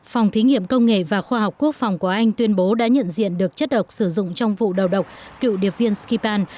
phòng thí nghiệm công nghệ và khoa học quốc phòng của anh tuyên bố đã nhận diện được chất độc sử dụng trong vụ đầu độc cựu điệp viên skipal